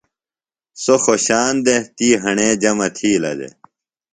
سوۡ خوشان دےۡ۔ تی ہݨے جمع تِھیلہ دےۡ۔